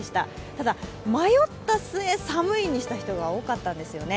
ただ、迷った末、寒いにした人がのん多かったんですよね。